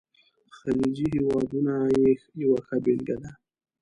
خلیجي هیوادونه یې یوه ښه بېلګه ده.